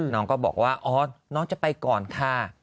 น้องก็บอกว่าอ๋อน้องจะไปก่อนค่ะ